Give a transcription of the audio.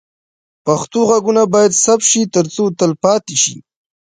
پښتو غږونه باید ثبت شي ترڅو تل پاتې شي.